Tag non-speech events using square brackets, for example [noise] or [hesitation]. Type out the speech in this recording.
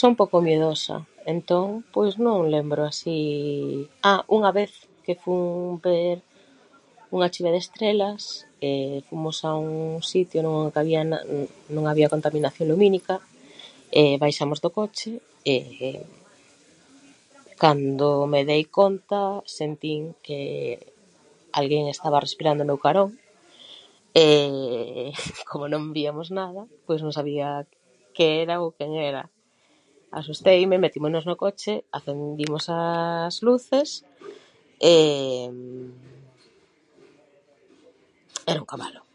Son poco miedosa, entón, pois non lembro así [hesitation] unha vez que fun ver unha chuvia de estrelas [hesitation] fomos a un sitio no que había, non había contaminación lumínica. [hesitation] Baixamos do coche e cando me dei conta sentín que alguén estaba respirando ao meu carón e como non viamos nada pois non sabia que era ou quen era. Asusteime, metímonos no coche, acendimos as luces [hesitation] era un cabalo.